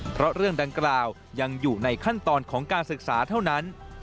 เพราะเรื่องดังกล่าวยังอยู่ในขั้นตอนของการศึกษาเท่านั้น